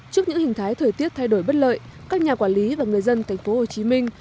trước những hình thái thời tiết thay đổi bất lợi các nhà quản lý và người dân thành phố hồ chí minh